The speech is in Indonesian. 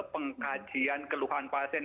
pengkajian keluhan pasien